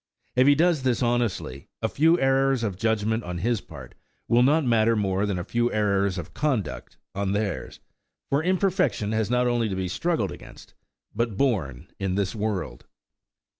If he does this honestly, a few errors of judgment on his part will not matter more than a few errors of conduct on theirs; for imperfection has not only to be struggled against, but borne in this world.